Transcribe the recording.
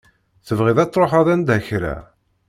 Tebɣiḍ ad truḥeḍ anda kra?